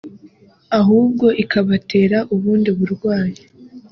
ahubwo ikabatera ubundi burwayi”